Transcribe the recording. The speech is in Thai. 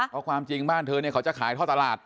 เพราะความจริงบ้านเธอเนี่ยเขาจะขายท่อตลาด